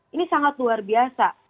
ini sangat luar biasa